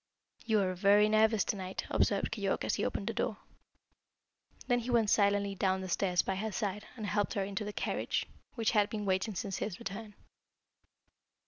"You are very nervous to night," observed Keyork, as he opened the door. Then he went silently down the stairs by her side and helped her into the carriage, which had been waiting since his return.